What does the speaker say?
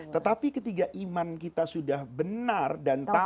tetapi ketika iman kita sudah benar dan tahu